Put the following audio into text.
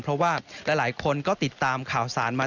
เพราะว่าหลายคนก็ติดตามข่าวสารมา